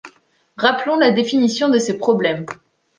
Rappelons la définition de ces problèmes.